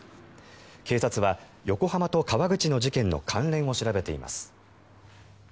警察は横浜と川口の事件の関連を調べています。